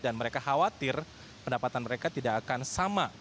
dan mereka khawatir pendapatan mereka tidak akan sama